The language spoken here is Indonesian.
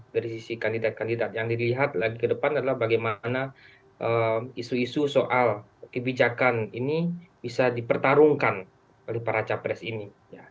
dari sisi kandidat kandidat yang dilihat lagi ke depan adalah bagaimana isu isu soal kebijakan ini bisa dipertarungkan oleh para capres ini